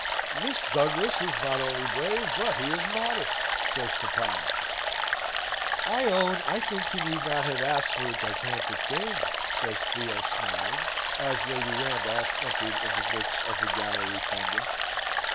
"This Douglas is not only brave, but he is modest!" says papa. "I own I think he need not have asked for a gigantic Dane," says Theo, smiling, as Lady Randolph entered in the midst of the gallery thunder.